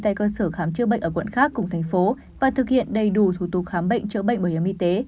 tại cơ sở khám chữa bệnh ở quận khác cùng thành phố và thực hiện đầy đủ thủ tục khám bệnh chữa bệnh bảo hiểm y tế